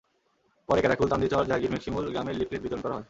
পরে গ্যাড়াকুল, চান্দির চর, জাগীর মেঘশিমুল গ্রামে লিফলেট বিতরণ করা হয়।